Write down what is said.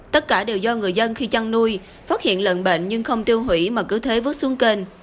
tất cả đều do người dân khi chăn nuôi phát hiện lợn bệnh nhưng không tiêu hủy mà cứ thế vứt xuống kênh